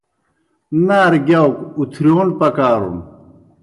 نارہ گِیاؤک اُتھرِیون پکارُن۔